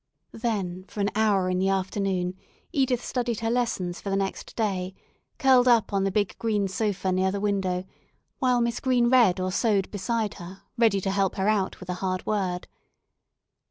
Then for an hour in the afternoon Edith studied her lessons for the next day, curled up on the big green sofa near the window, while Miss Green read or sewed beside her, ready to help her out with a hard word.